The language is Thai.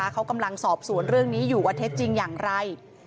เขากำลังสอบสวนเรื่องนี้อยู่ว่าเท็จจริงอย่างไร